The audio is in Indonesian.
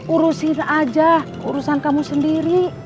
urusin aja urusan kamu sendiri